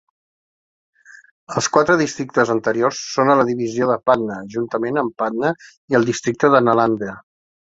Els quatre districtes anteriors són a la divisió de Patna juntament amb Patna i el districte de Nalanda.